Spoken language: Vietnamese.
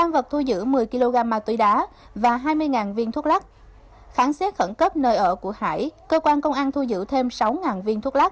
và hai trăm linh g ketamin